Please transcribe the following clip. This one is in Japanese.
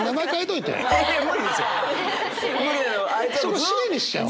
そこしげにしちゃおう。